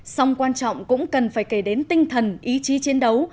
song quan trọng cũng cần phải kể đến tinh thần ý chí chiến đấu